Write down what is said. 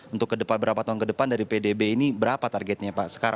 untuk berapa tahun ke depan dari pdb ini berapa targetnya pak